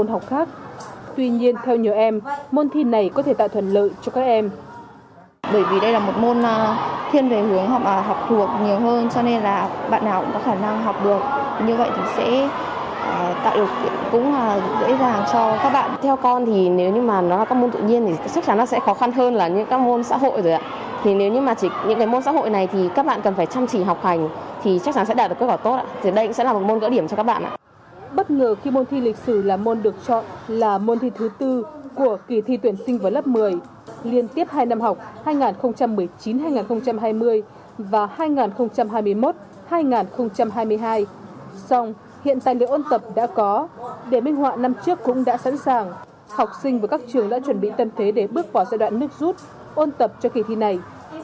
học sinh và các trường đã chuẩn bị tâm thế để bước vào giai đoạn nước rút ôn tập cho kỳ thi này